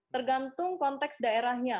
tergantung konteks daerahnya